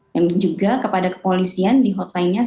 dan juga kepada kepolisian di hotlinenya satu ratus sepuluh